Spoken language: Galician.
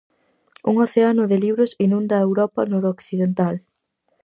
Un océano de libros inunda a Europa noroccidental.